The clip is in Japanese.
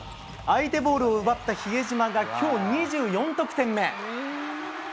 相手ボールを奪った比江島がきょう、２４得点目。